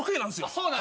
そうなの？